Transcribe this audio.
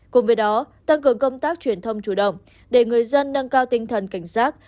cùng với đó tăng cường công tác truyền thông chủ động để người dân nâng cao tinh thần cảnh giác